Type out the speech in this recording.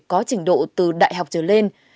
có trình độ từ đại học trở lên